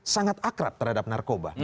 sangat akrab terhadap narkoba